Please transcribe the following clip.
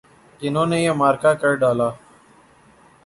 جنہوں نے یہ معرکہ کر ڈالا۔